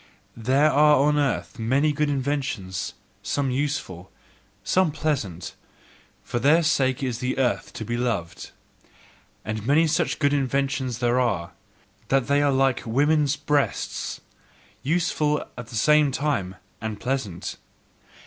There are on the earth many good inventions, some useful, some pleasant: for their sake is the earth to be loved. And many such good inventions are there, that they are like woman's breasts: useful at the same time, and pleasant.